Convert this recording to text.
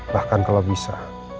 bahkan kalau bisa